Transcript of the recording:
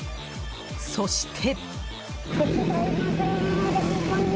そして。